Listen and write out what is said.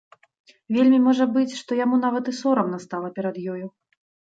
Вельмі можа быць, што яму нават і сорамна стала перад ёю.